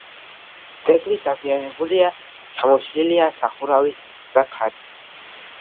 ძეგლი დაზიანებულია: ჩამოშლილია სახურავის საფარი.